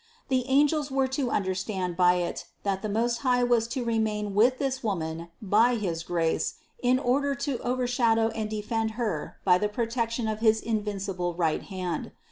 The angels were to understand by it, that the Most High was to remain with this Woman by his grace in order to overshadow and defend Her by the protection of his invincible right hand.